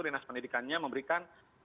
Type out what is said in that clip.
dinas pendidikannya memberikan